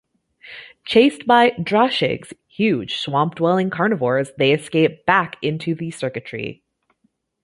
Chased by Drashigs, huge swamp-dwelling carnivores, they escape back into the circuitry.